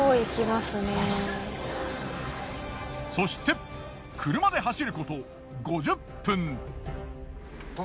そして車で走ること５０分。